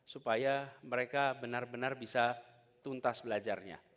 supaya mereka benar benar bisa tuntas belajarnya